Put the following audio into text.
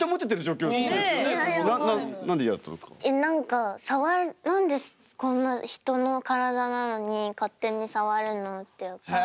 え何か何でこんな人の体なのに勝手に触るのって。